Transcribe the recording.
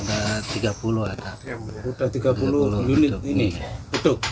di sini berada tiga puluh beduk